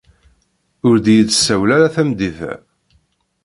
Ur d iyi-d-sawal ara tameddit-a.